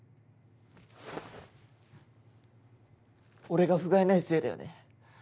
俺が不甲斐ないせいだよね。